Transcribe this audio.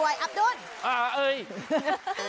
ยินดีด้วยอับดุท